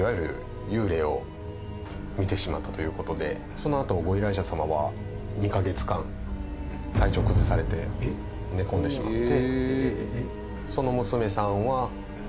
そのあとご依頼者さまは２カ月間体調崩されて寝込んでしまって。